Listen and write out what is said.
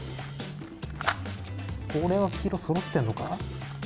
これは黄色、そろってんのか。